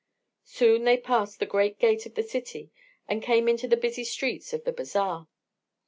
Soon they passed the great gate of the city and came into the busy streets of the Bazaar.